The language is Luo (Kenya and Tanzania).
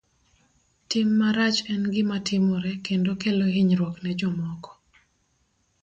Tim marach en gima timore kendo kelo hinyruok ne jomoko.